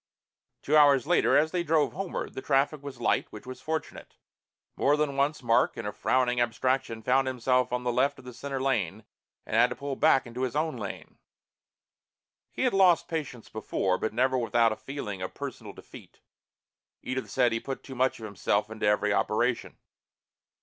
Two hours later, as they drove homeward, the traffic was light, which was fortunate. More than once Mark, in a frowning abstraction, found himself on the left of the center line and had to pull back into his own lane. He had lost patients before, but never without a feeling of personal defeat. Edith said he put too much of himself into every operation.